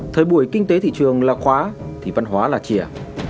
thời buổi kinh tế thị trường là khóa thì văn hóa là chìa